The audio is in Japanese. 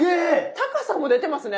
高さも出てますね。